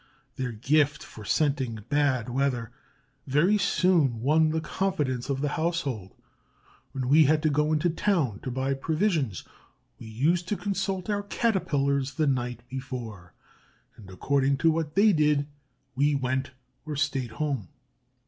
Their gift for scenting bad weather very soon won the confidence of the household. When we had to go into town to buy provisions, we used to consult our Caterpillars the night before; and according to what they did, we went or stayed at home.